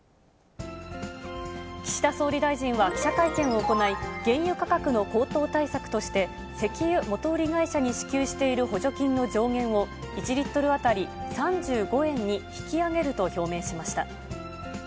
岸田総理大臣は記者会見を行い、原油価格の高騰対策として、石油元売り会社に支給している補助金の上限を、１リットル当たり３５円に引き上げると表明しました。